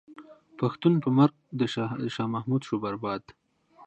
پښتون په مرګ د شاه محمود شو برباد.